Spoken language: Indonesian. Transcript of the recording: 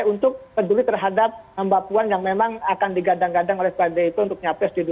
untuk peduli terhadap mbak puan yang memang akan digadang gadang oleh pdip untuk nyapres dua ribu dua puluh